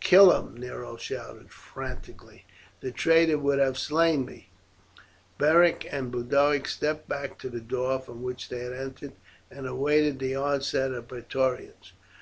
"Kill him!" Nero shouted frantically. "The traitor would have slain me." Beric and Boduoc stepped back to the door by which they had entered, and awaited the onset of the Praetorians.